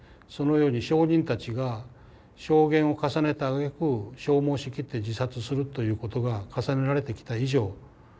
そのように証人たちが証言を重ねたあげく消耗しきって自殺するということが重ねられてきた以上